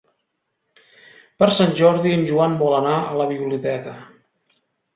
Per Sant Jordi en Joan vol anar a la biblioteca.